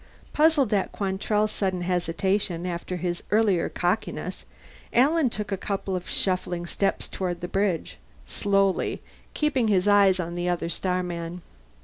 Puzzled at Quantrell's sudden hesitation after his earlier cockiness, Alan took a couple of shuffling steps toward the bridge, slowly, keeping his eyes on the other starman.